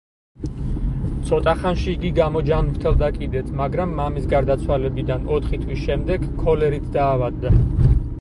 ცოტა ხანში იგი გამოჯანმრთელდა კიდეც, მაგრამ მამის გარდაცვალებიდან ოთხი თვის შემდეგ ქოლერით დაავადდა.